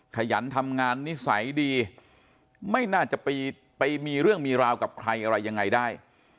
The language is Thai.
ขยันทำงานนิสัยดีไม่น่าจะไปมีเรื่องมีราวกับใครอะไรยังไงได้